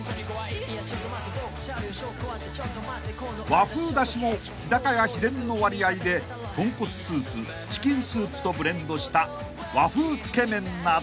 ［和風だしを日高屋秘伝の割合で豚骨スープチキンスープとブレンドした］